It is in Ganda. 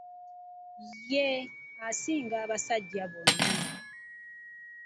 Ye asinga abasajja bonna.